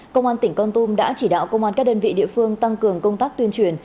công an tỉnh con tum đã chỉ đạo công an các đơn vị địa phương tăng cường công tác tuyên truyền